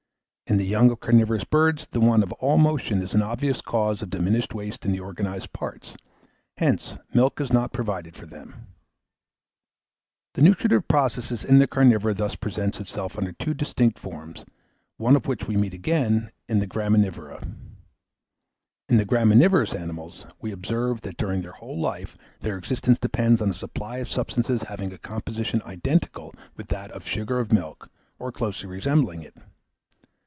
In the young of carnivorous birds, the want of all motion is an obvious cause of diminished waste in the organised parts; hence, milk is not provided for them. The nutritive process in the carnivora thus presents itself under two distinct forms; one of which we again meet with in the graminivora. In graminivorous animals, we observe, that during their whole life, their existence depends on a supply of substances having a composition identical with that of sugar of milk, or closely resembling it.